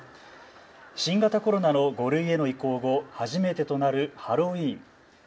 新型コロナの５類への移行後初めてとなるハロウィーン。